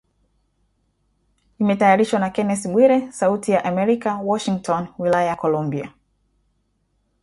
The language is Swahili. Imetayarishwa na Kennes Bwire, Sauti ya amerka Washington wilaya ya Kolumbia